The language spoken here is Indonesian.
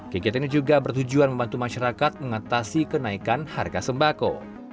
kegiatan ini juga bertujuan membantu masyarakat mengatasi kenaikan harga sembako